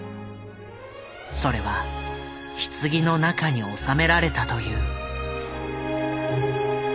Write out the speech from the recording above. それはひつぎの中に納められたという。